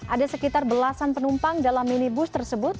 ada sekitar belasan penumpang dalam minibus tersebut